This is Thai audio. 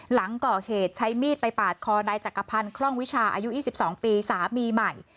หลังก่อเหตุใช้มีดไปปาดคอนายจักรพันธ์คล่องวิชาอายุ๒๒ปีสามีใหม่